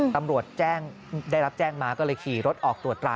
ตำรวจได้รับแจ้งมาก็เลยขี่รถออกตรวจตรา